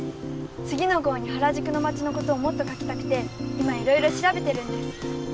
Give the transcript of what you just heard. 次の号に原宿の街のことをもっと書きたくて今いろいろ調べてるんです。